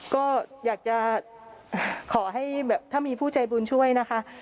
ก็อยากจะขอให้แบบถ้ามีผู้ใจบุญช่วยนะคะ